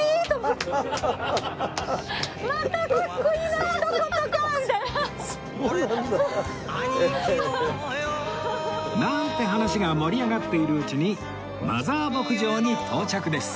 なんて話が盛り上がっているうちにマザー牧場に到着です